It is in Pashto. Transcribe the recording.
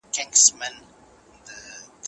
کاروبار ته مې د ودې پلان جوړ کړ.